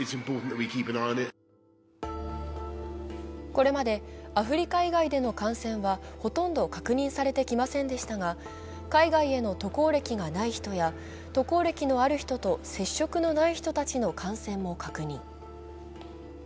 これまでアフリカ以外での感染はほとんど確認されてきませんでしたが、海外への渡航歴がない人や、渡航歴のある人と接触のない人たちの感染も確認。